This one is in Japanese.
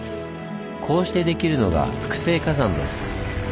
こうしてできるのが複成火山です。